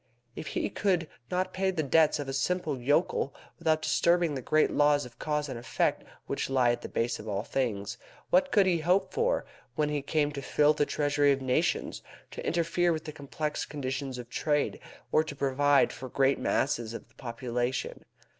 If he could not pay the debts of a simple yokel without disturbing the great laws of cause and effect which lie at the base of all things, what could he hope for when he came to fill the treasury of nations, to interfere with the complex conditions of trade, or to provide for great masses of the population?